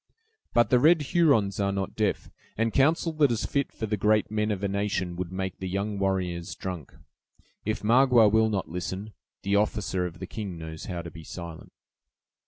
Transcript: "But the red Hurons are not deaf; and counsel that is fit for the great men of a nation would make the young warriors drunk. If Magua will not listen, the officer of the king knows how to be silent."